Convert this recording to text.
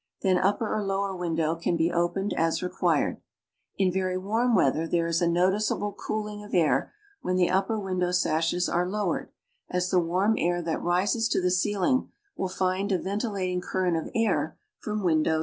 Then upper or lower win dow can be opened as required. In very warm weather there is a noticeable cooling of air when the upper window sashes are lowered, as the warm air that rises to the ceil ing will find a ventilat ing current of air from window to window.